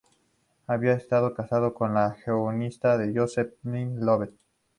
Había estado casado con la guionista Josephine Lovett.